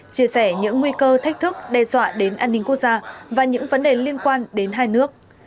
chia sẻ những nguy cơ thách thức đe dọa đến an ninh quốc gia và những vấn đề liên quan đến hai nước